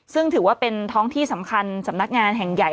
ซึ่งถือว่าเป็นท้องที่สำคัญสำนักงานแห่งใหญ่